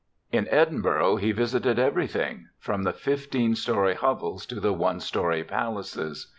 In Edinburgh he visited everything, from the fifteen story hovels to the one story palaces.